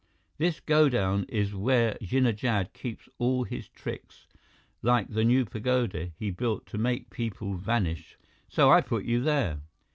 This godown is where Jinnah Jad keeps all his tricks, like the new pagoda he built to make people vanish. So I put you there."